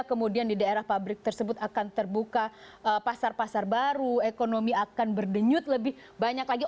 kemudian di daerah pabrik tersebut akan terbuka pasar pasar baru ekonomi akan berdenyut lebih banyak lagi